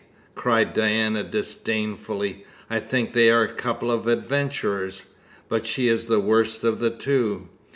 cried Diana disdainfully. "I think they are a couple of adventurers; but she is the worst of the two.